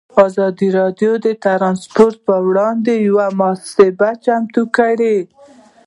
ازادي راډیو د ترانسپورټ پر وړاندې یوه مباحثه چمتو کړې.